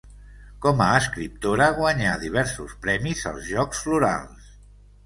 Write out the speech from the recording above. Com a escriptora, guanyà diversos premis als Jocs Florals.